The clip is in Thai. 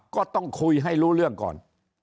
ก็ต้องคุยให้รู้เรื่องก่อน